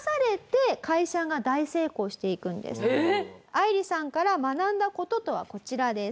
愛理さんから学んだ事とはこちらです。